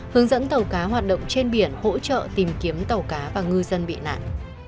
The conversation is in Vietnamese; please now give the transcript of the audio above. hướng dẫn tàu cá hoạt động trên biển hỗ trợ tìm kiếm tàu cá và ngư dân bị nạn